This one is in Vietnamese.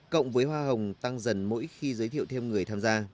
cộng với hoa hồng tăng dần mỗi khi giới thiệu thêm người tham gia